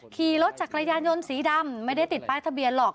ขี่รถจักรยานยนต์สีดำไม่ได้ติดป้ายทะเบียนหรอก